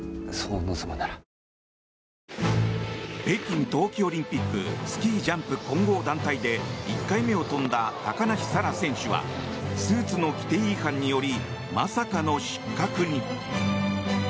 北京冬季オリンピックスキージャンプ混合団体で１回目を飛んだ高梨沙羅選手はスーツの規定違反によりまさかの失格に。